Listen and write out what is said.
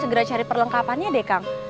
segera cari perlengkapannya deh kang